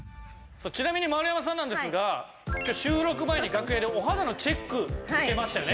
ちなみに丸山さんなんですが収録前に楽屋でお肌のチェック受けましたよね？